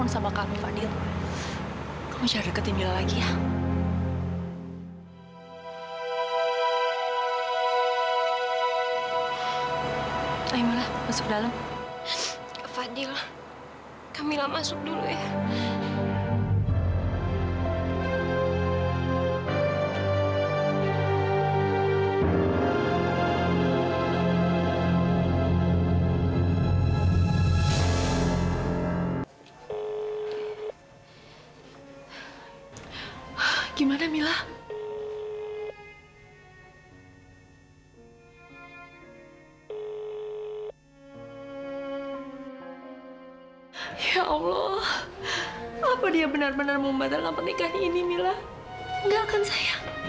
sampai jumpa di video selanjutnya